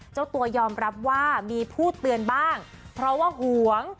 เจ้าตัวยอมรับว่ามีผู้เตือนบ้างเพราะว่าหวง